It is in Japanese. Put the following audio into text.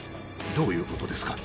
どういうことですか？